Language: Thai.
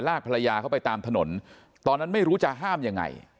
ภรรยาเข้าไปตามถนนตอนนั้นไม่รู้จะห้ามยังไง